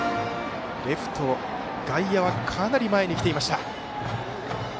レフト、外野はかなり前に来ていました。